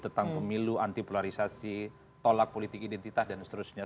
tentang pemilu anti polarisasi tolak politik identitas dan seterusnya